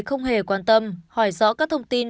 không hề quan tâm hỏi rõ các thông tin